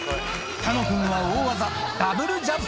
楽君は大技、ダブルジャンプ。